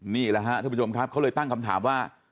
นี่แหละทุกคนค่ะเขาเลยตั้งคำถามว่า